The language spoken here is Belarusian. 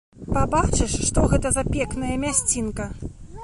Пабачыш, што гэта за пекная мясцінка!